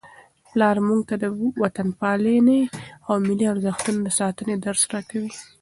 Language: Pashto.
پلار موږ ته د وطنپالنې او ملي ارزښتونو د ساتنې درس راکوي.